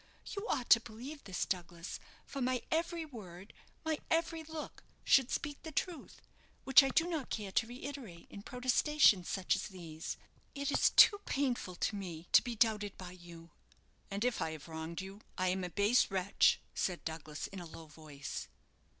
You ought to believe this, Douglas, for my every word, my every look, should speak the truth, which I do not care to reiterate in protestations such as these. It is too painful to me to be doubted by you." "And if I have wronged you, I am a base wretch," said Douglas, in a low voice.